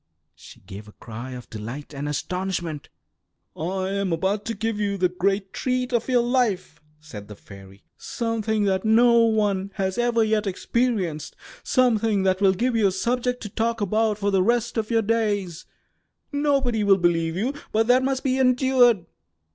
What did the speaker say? She gave a cry of delight and astonishment. "I am about to give you the great treat of your life," said the fairy, "something that no one has ever yet experienced, something that will give you a subject to talk about for the rest of your days. Nobody will believe you, but that must be endured.